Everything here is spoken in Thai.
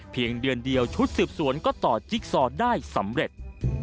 เพียงเดือนเดียวชุดสืบสวนก็ต่อจิ๊กซอได้สำเร็จ